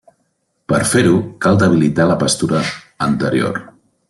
Per fer-ho cal debilitar la pastura anterior.